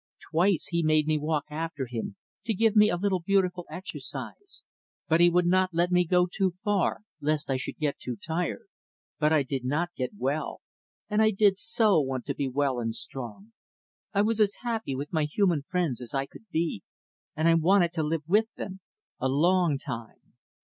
Twice he made me walk after him, to give me a little healthful exercise; but he would not let me go too far lest I should get too tired. But I did not get well; and I did so want to be well and strong. I was as happy with my human friends as I could be, and I wanted to live with them a long time.